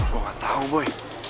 gue gak tau boy